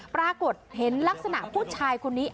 ปรากฏเห็นลักษณะผู้ชายคนนี้